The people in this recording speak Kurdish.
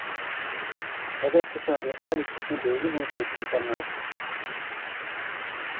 Qeder ti carî alî kesên bêliv û bêtevger nake.